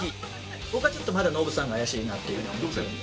僕はちょっとまだノブさんが怪しいなっていう風には思ってる。